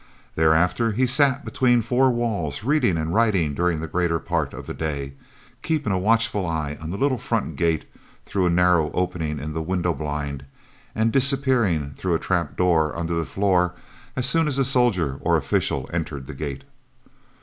Thereafter he sat between four walls, reading and writing during the greater part of the day, keeping a watchful eye on the little front gate through a narrow opening in the window blind and disappearing, through a trap door, under the floor as soon as a soldier or official entered the gate.